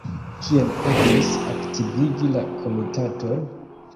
Kiel eblus aktivigi la komitaton?